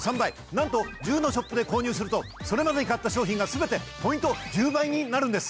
なんと１０のショップで購入するとそれまでに買った商品が全てポイント１０倍になるんです！